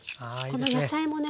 この野菜もね